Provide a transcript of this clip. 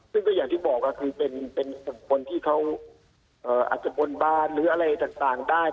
ซึ่งก็อย่างที่บอกก็คือเป็นคนที่เขาอาจจะบนบานหรืออะไรต่างได้